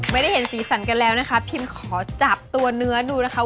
ไม่ได้เห็นสีสันกันแล้วนะคะ